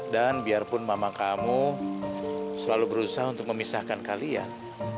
dan biarpun mama kamu selalu berusaha untuk memisahkan kalian